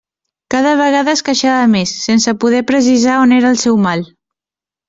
Cada vegada es queixava més, sense poder precisar on era el seu mal.